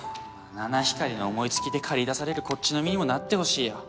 七光りの思いつきで駆り出されるこっちの身にもなってほしいよ